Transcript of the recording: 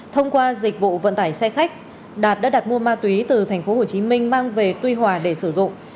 thông qua dịch vụ vận tải xe khách đạt đã đặt mua ma túy từ tp hcm mang về tuy hòa để sử dụng